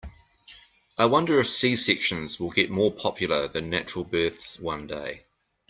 I wonder if C-sections will get more popular than natural births one day.